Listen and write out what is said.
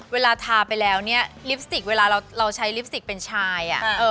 เวลาทาไปแล้วเนี่ยลิปสติกเวลาเราใช้ลิปสติกเป็นชาย